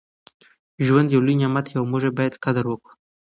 ژوند یو لوی نعمت دی او موږ یې باید قدر وکړو.